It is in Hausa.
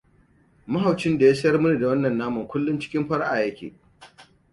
Mahaucin da ya sayar mini da wannan naman kullum cikin faraʻa yake.